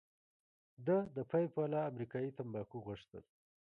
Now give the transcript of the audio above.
ده د پیپ والا امریکايي تمباکو غوښتل.